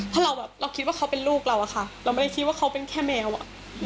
ถ้าเราแบบเราคิดว่าเขาเป็นลูกเราอะค่ะเราไม่ได้คิดว่าเขาเป็นแค่แมวอ่ะ